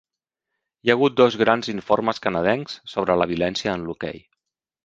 Hi ha hagut dos grans informes canadencs sobre la violència en l'hoquei.